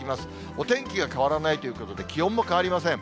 お天気が変わらないということで、気温も変わりません。